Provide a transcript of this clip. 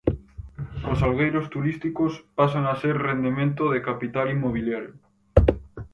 Os alugueiros turísticos pasan a ser rendemento de capital inmobiliario.